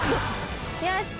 よし！